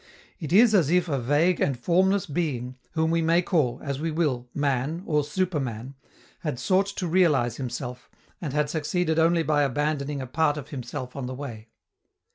It is as if a vague and formless being, whom we may call, as we will, man or superman, had sought to realize himself, and had succeeded only by abandoning a part of himself on the way.